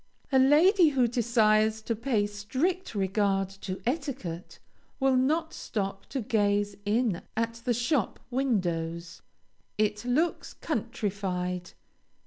A lady who desires to pay strict regard to etiquette, will not stop to gaze in at the shop windows. It looks countrified.